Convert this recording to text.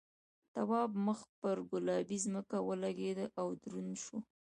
تواب مخ پر گلابي ځمکه ولگېد او دروند شو.